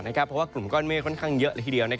เพราะว่ากลุ่มก้อนเมฆค่อนข้างเยอะเลยทีเดียว